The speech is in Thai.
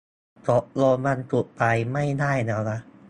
ตกลงวันศุกร์ไปไม่ได้แล้วนะ